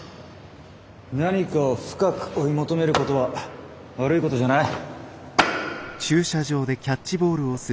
何かを深く追い求めることは悪いことじゃない。